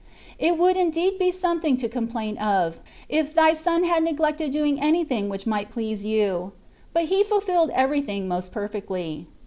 It would indeed be something to complitixi of, if Thy Son had neglected doing any thing : Vhich might please you : but He fulfilled evecything most perfectly.